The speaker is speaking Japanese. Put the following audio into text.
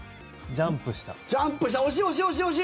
ジャンプした惜しい惜しい！